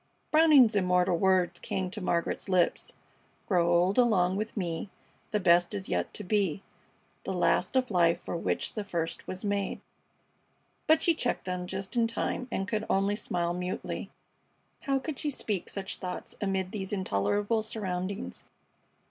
Browning's immortal words came to Margaret's lips Grow old along with me, The best is yet to be, The last of life for which the first was made but she checked them just in time and could only smile mutely. How could she speak such thoughts amid these intolerable surroundings?